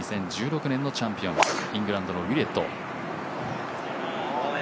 ２０１６年のチャンピオンイングランドのウィレット。